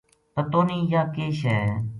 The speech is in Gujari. پتو نیہہ یاہ کے شے ہے